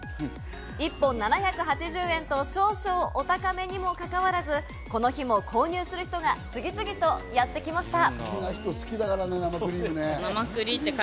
一本７８０円と少々お高めにもかかわらず、この日も購入する人が次々とやってきました。